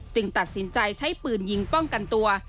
ตัดสินใจใช้ปืนยิงป้องกันตัว